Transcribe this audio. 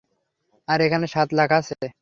আর এখানে সাত লাখ আছে।